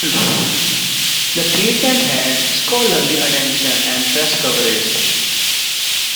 The treatment had scholarly attention and press coverage.